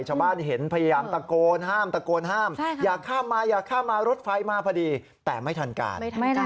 ชาวบ้านเห็นพยายามตะโกนห้ามตะโกนห้ามอย่าข้ามมาอย่าข้ามมารถไฟมาพอดีแต่ไม่ทันการ